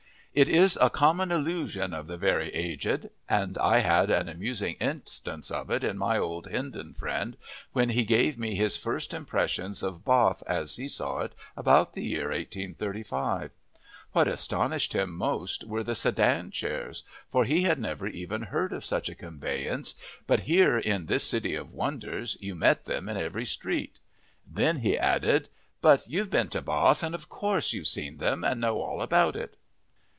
It is a common illusion of the very aged, and I had an amusing instance of it in my old Hindon friend when he gave me his first impressions of Bath as he saw it about the year 1835. What astonished him most were the sedan chairs, for he had never even heard of such a conveyance, but here in this city of wonders you met them in every street. Then he added, "But you've been to Bath and of course you've seen them, and know all about it."